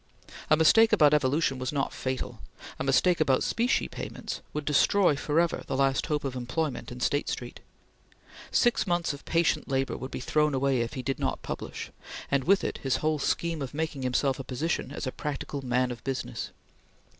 A mistake about Evolution was not fatal; a mistake about specie payments would destroy forever the last hope of employment in State Street. Six months of patient labor would be thrown away if he did not publish, and with it his whole scheme of making himself a position as a practical man of business.